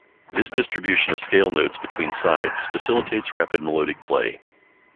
This distribution of scale notes between sides facilitates rapid melodic play.